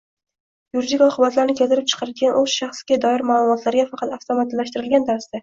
yuridik oqibatlarni keltirib chiqaradigan o‘z shaxsga doir ma’lumotlariga faqat avtomatlashtirilgan tarzda